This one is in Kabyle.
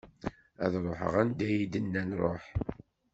Ad ruḥeɣ anda i yi-d-nnan ruḥ.